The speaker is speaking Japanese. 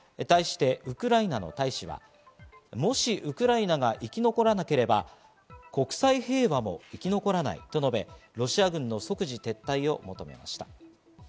対してウクライナの大使は、もしウクライナが生き残らなければ国際平和も生き残らないと述べ、ロシア軍の即時撤退を求めました。